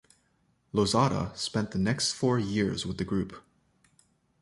Lozada spent the next four years with the group.